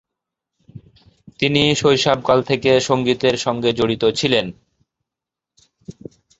তিনি শৈশবকাল থেকে সঙ্গীতের সঙ্গে জড়িত ছিলেন।